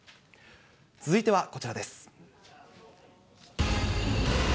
続いてはこちらです。